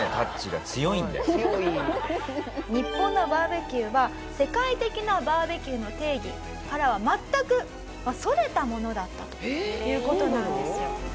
日本のバーベキューは世界的なバーベキューの定義からは全くそれたものだったという事なんですよ。